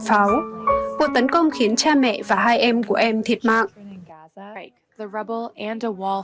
pháo vụ tấn công khiến cha mẹ và hai em của em thiệt mạng